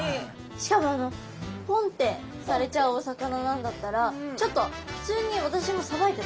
しかもあのポンってされちゃうお魚なんだったらちょっと普通に私もさばいて食べたいと思いましたもん